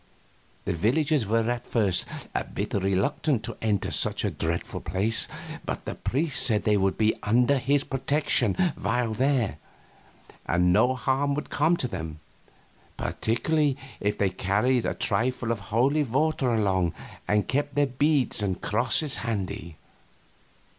The villagers were at first a bit reluctant to enter such a dreadful place, but the priest said they would be under his protection while there, and no harm could come to them, particularly if they carried a trifle of holy water along and kept their beads and crosses handy.